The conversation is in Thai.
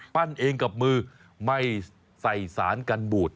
เองกับมือไม่ใส่สารกันบูด